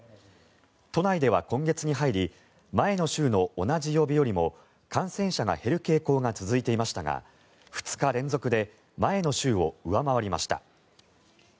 都内では今月に入り前の週の同じ曜日よりも感染者が減る傾向が続いていましたが２日連続で前の週を上回りました。